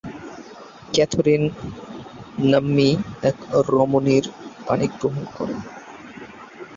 Catherine নাম্নী এক রমণীর পাণিগ্রহণ করেন।